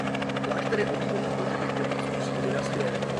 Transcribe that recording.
Klášter je oblíbeným pohřebištěm habsburské dynastie.